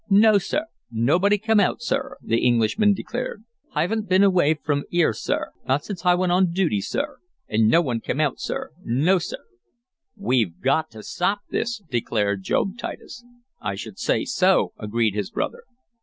"No, sir! Nobody kime hout, sir!" the Englishman declared. "Hi 'aven't been away frim 'ere, sir, not since hi wint on duty, sir. An' no one kime out, no, sir!" "We've got to stop this!" declared Job Titus. "I should say so!" agreed his brother.